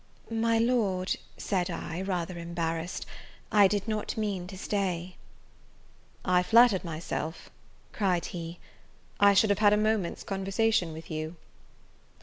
"My Lord," said I, rather embarrassed, "I did not mean to stay." "I flattered myself," cried he, "I should have had a moment's conversation with you."